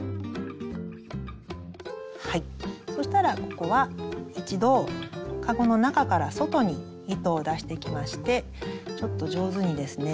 そしたらここは一度かごの中から外に糸を出していきましてちょっと上手にですね